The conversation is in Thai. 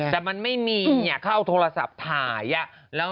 ไหนหน้าคนตรงไหน